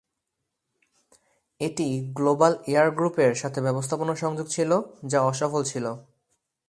এটি global air গ্রুপের সাথে ব্যবস্থাপনা সংযোগ ছিল, যা অসফল ছিল।